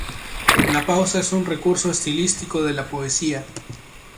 La pausa es un recurso estilístico de la poesía.